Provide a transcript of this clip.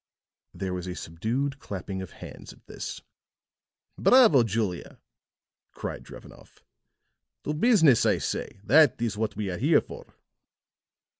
There was a subdued clapping of hands at this. "Bravo, Julia," cried Drevenoff. "To business, I say. That is what we are here for."